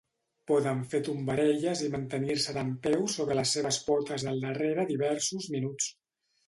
Poden fer tombarelles i mantenir-se dempeus sobre les seves potes del darrere diversos minuts.